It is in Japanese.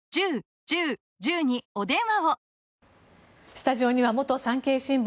スタジオには元産経新聞